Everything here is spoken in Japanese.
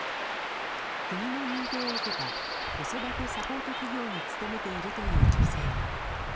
国の認定を受けた子育てサポート企業に勤めているという女性は。